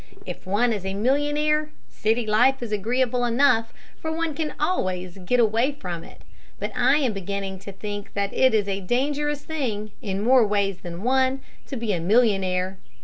If one is a millionaire, city life is agreeable enough, for one can always get away from it; but I am beginning to think that it is a dangerous thing, in more ways than one, to be a millionaire.